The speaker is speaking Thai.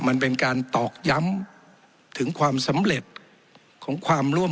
มันเป็นการตอกย้ำถึงความสำเร็จของความร่วม